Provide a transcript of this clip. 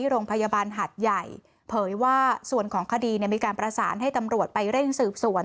โรงพยาบาลหัดใหญ่เผยว่าส่วนของคดีมีการประสานให้ตำรวจไปเร่งสืบสวน